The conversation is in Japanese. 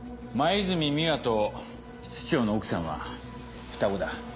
黛美羽と室長の奥さんは双子だ。